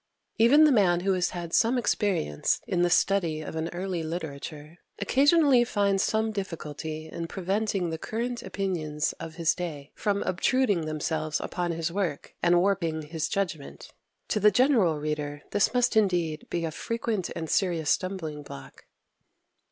Even the man who has had some experience in the study of an early literature, occasionally finds some difficulty in preventing the current opinions of his day from obtruding themselves upon his work and warping his judgment; to the general reader this must indeed be a frequent and serious stumbling block.